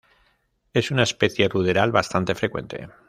Es una especie ruderal bastante frecuente.